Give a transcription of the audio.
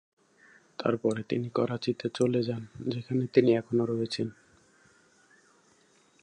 তারপরে তিনি করাচিতে চলে যান, যেখানে তিনি এখনও রয়েছেন।